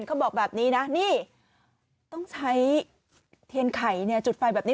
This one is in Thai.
เขาบอกแบบนี้นะนี่ต้องใช้เทียนไข่จุดไฟแบบนี้